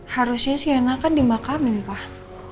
harusnya sienna kan dimakamin pak